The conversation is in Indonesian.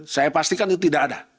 saya pastikan itu tidak ada